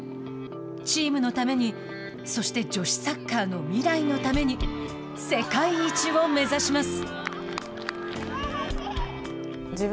チームのためにそして、女子サッカーの未来のために世界一を目指します。